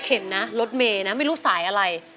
เห็นนะรถเมย์นะไม่รู้สายอะไร